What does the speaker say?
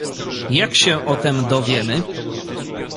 "Jak się o tem dowiemy?"